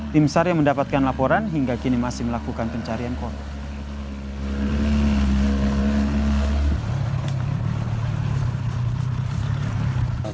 tim sar yang mendapatkan laporan hingga kini masih melakukan pencarian korban